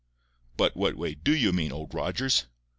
"But what way DO you mean, Old Rogers?"